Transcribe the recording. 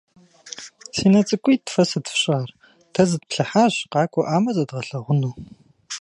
Си нэ цӀыкӀуитӀ, фэ сыт фщӀар? - Дэ зытплъыхьащ, къакӀуэӀамэ зэдгъэлъэгъуну.